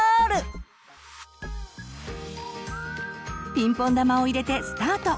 ピンポン球を入れてスタート！